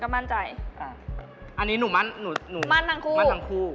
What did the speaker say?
มั่นทั้งคู่